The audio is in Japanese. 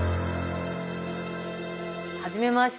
はじめまして。